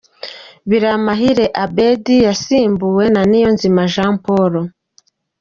Biramahire Abedy yasimbuwe na Niyonzima Jean Paul.